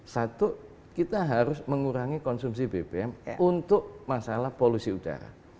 satu kita harus mengurangi konsumsi bbm untuk masalah polusi udara